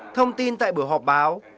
thông tin tại buổi họp báo